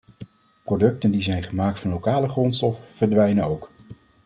Producten die zijn gemaakt van lokale grondstoffen verdwijnen ook.